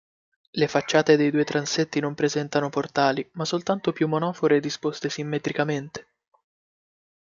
Le facciate dei due transetti non presentano portali, ma soltanto più monofore disposte simmetricamente.